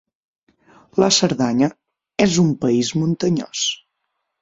La Cerdanya és un país muntanyós.